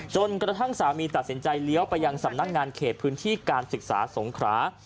จนกระทั่งสามีตัดสินใจเลี้ยวไปยังสำนักงานเขตพื้นที่การศึกษาสงขรา